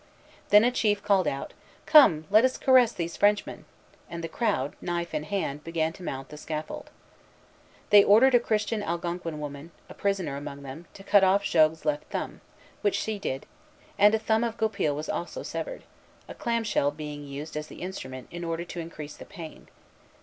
Then a chief called out, "Come, let us caress these Frenchmen!" and the crowd, knife in hand, began to mount the scaffold. They ordered a Christian Algonquin woman, a prisoner among them, to cut off Jogues's left thumb, which she did; and a thumb of Goupil was also severed, a clam shell being used as the instrument, in order to increase the pain.